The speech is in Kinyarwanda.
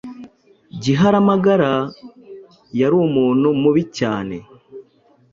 Giharamagara yarumuntu mubi cyane